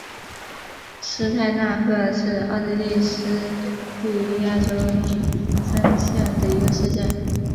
施泰纳赫是奥地利施蒂利亚州利岑县的一个市镇。